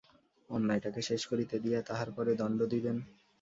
অন্যায়টাকে শেষ করিতে দিয়া তাহার পরে দণ্ড দিবেন।